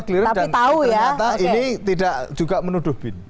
ternyata ini tidak juga menuduh bin